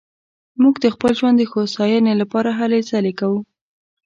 موږ د خپل ژوند د هوساينې لپاره هلې ځلې کوو